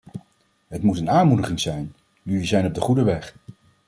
Het moet een aanmoediging zijn: jullie zijn op de goede weg!